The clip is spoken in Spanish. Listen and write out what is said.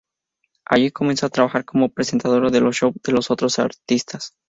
Allí comenzó a trabajar como presentadora de los shows de los otros artistas.